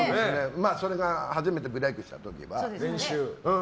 まあ、それが初めてブレークした時はうわー！